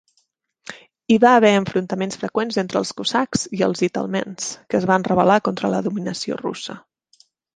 Hi va haver enfrontaments freqüents entre els Cossacks i els Itelmens, que es van rebel·lar contra la dominació russa.